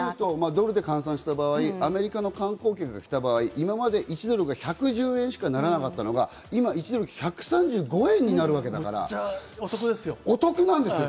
ドルで換算した場合、アメリカの観光客が来た場合、今まで１ドル＝１１０円しかならなかったのが、今、１ドル＝１３５円になるわけだから、お得なんですよ。